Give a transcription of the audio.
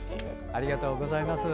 ありがとうございます。